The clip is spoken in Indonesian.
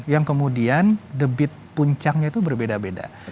yang kemudian debit puncaknya itu berbeda beda